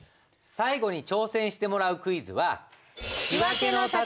最後に挑戦してもらうクイズは。